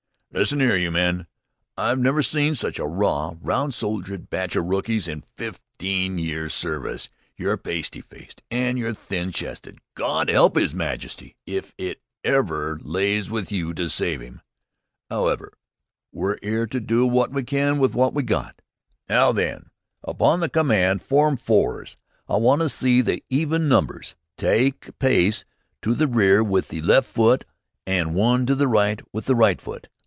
"Lissen 'ere, you men! I've never saw such a raw, roun' shouldered batch o' rookies in fifteen years' service. Yer pasty faced an' yer thin chested. Gawd 'elp 'Is Majesty if it ever lays with you to save 'im! 'Owever, we're 'ere to do wot we can with wot we got. Now, then, upon the command, 'Form Fours,' I wanna see the even numbers tyke a pace to the rear with the left foot, an' one to the right with the right foot.